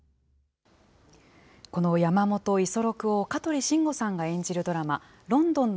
この山本五十六を香取慎吾さんが演じるドラマ、倫敦ノ